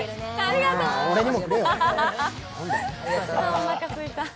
おなかすいた。